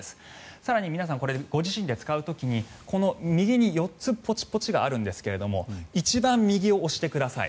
更に皆さん、ご自身で使う時に右に４つポチポチがあるんですが一番右を押してください。